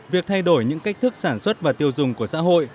việc thay đổi những cách thức sản xuất và tiêu dùng của xã hội